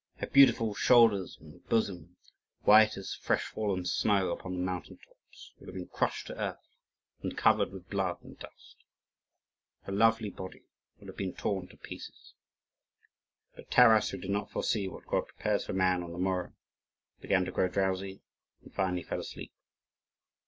Her beautiful shoulders and bosom, white as fresh fallen snow upon the mountain tops, would have been crushed to earth and covered with blood and dust. Her lovely body would have been torn to pieces. But Taras, who did not foresee what God prepares for man on the morrow, began to grow drowsy, and finally fell asleep.